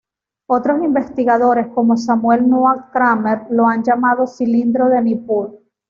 Otros investigadores, como Samuel Noah Kramer, lo han llamado cilindro de Nippur.